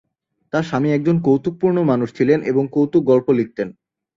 তার স্বামী একজন কৌতুকপূর্ণ মানুষ ছিলেন এবং কৌতুক গল্প লিখতেন।